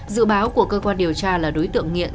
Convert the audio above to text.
dự báo của cơ quan điều tra là đối tượng nghiện